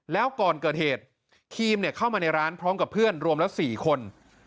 แล้วก่อนเกิดเหตุครีมเข้ามาในร้านพร้อมกับเพื่อนรวมละ๔คน